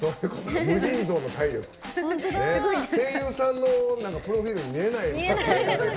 声優さんのプロフィールに見えないですね。